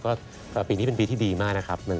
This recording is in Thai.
ใช่ครับปีนี้เป็นปีที่ดีมากนะครับ